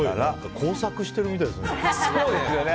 工作しているみたいですね。